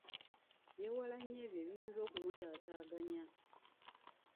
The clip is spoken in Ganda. Yeewala nnyo ebyo ebiyinza okumutaataaganya.